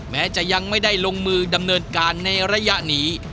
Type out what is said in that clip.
แม้จะยังไม่ได้ลงมือดำเนินการในระยะนี้